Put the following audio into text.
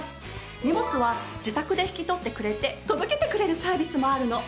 荷物は自宅で引き取ってくれて届けてくれるサービスもあるの。